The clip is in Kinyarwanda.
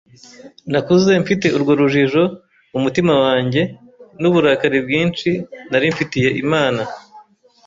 Nakuze mfite urwo rujijo mu mutima wanjye, n’uburakari bwinshi nari mfitiye Imana.